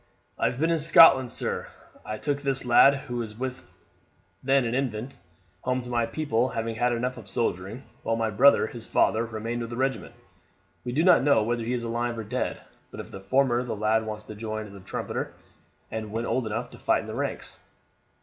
"I have been in Scotland, sir. I took this lad, who was then an infant, home to my people, having had enough of soldiering, while my brother, his father, remained with the regiment. We do not know whether he is alive or dead, but if the former the lad wants to join as a trumpeter, and when old enough to fight in the ranks."